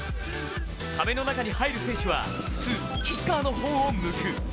壁の中に入る選手は普通、キッカーの方を向く。